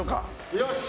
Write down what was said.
よし！